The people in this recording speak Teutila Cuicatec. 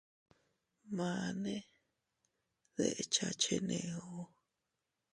Mane dekcha cheneo.